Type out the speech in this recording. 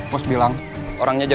di pinggir jalan